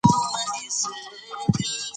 څانګي ملا ماتي د ژړو ګلو